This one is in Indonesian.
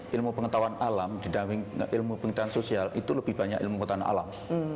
jurusan ilmu pengetahuan alam di dalam ilmu pendidikan sosial itu lebih banyak ilmu pengetahuan alam